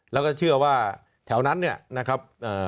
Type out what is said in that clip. แล้วก็เชื่อว่าแถวนั้นเนี่ยนะครับ